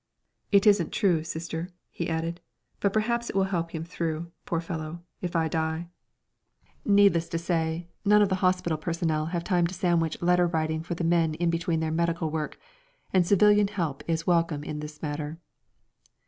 "It isn't true, Sister," he added; "but perhaps it will help him through, poor fellow if I die!" Needless to say, none of the hospital personnel have time to sandwich letter writing for the men in between their medical work, and civilian help is welcome in this matter.